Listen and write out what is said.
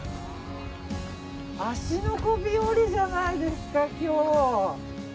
芦ノ湖日和じゃないですか、今日。